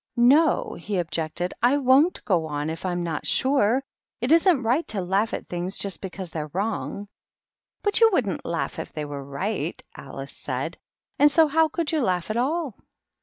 " No," he objected, " I wonH go on if I'm not sure. It isn't right to laugh at things just be cause they're wrong." " But you wouldn't laugh if they were right," Alice said; "and so how could you laugh at all